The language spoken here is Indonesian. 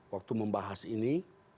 waktu membahas ini